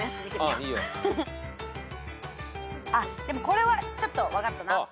でもこれはちょっと分かったな。